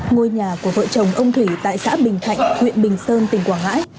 ngôi nhà của vợ chồng ông thủy tại xã bình thạnh huyện bình sơn tỉnh quảng ngãi